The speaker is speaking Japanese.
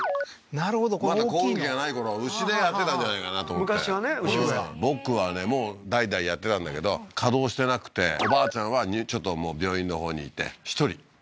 なるほどこの大きいのまだ耕うん機がないころ牛でやってたんじゃないかなと思って昔はね牛ですから僕はねもう代々やってたんだけど稼働してなくておばあちゃんはちょっと病院のほうにいて１人１人？